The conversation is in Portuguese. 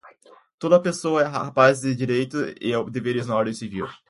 Toda pessoa é capaz de direitos e deveres na ordem civil.